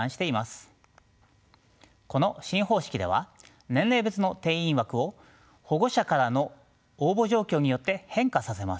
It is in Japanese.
この新方式では年齢別の定員枠を保護者からの応募状況によって変化させます。